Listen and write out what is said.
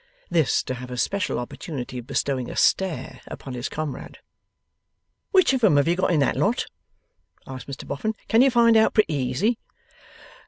This to have a special opportunity of bestowing a stare upon his comrade. 'Which of 'em have you got in that lot?' asked Mr Boffin. 'Can you find out pretty easy?